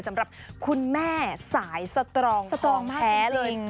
สำหรับคุณแม่สายสตรองสตรองแท้เลย